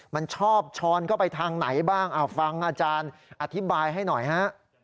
มันชอบช้อนเข้าไปทางไหนบ้างฟังอาจารย์อธิบายให้หน่อยฮะ